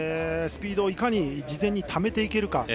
スピードをいかに事前にためていけるか。